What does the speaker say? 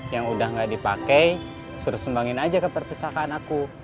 yang udah gak dipakai suruh sumbangin aja ke perpustakaan aku